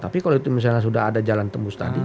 tapi kalau itu misalnya sudah ada jalan tembus tadi